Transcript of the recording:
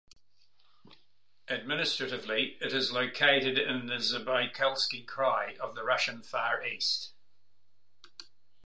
Administratively it is located in the Zabaykalsky Krai of the Russian Far East.